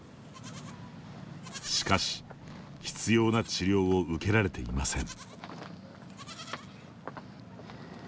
しかし、必要な治療を受けられていません。